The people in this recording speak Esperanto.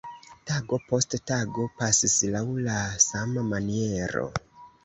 Tago post tago pasis laŭ la sama maniero.